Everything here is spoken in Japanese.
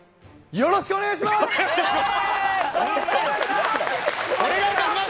よろしくお願いします。